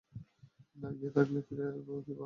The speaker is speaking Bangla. না গিয়ে থাকলে ফিরে কীভাবে এলো?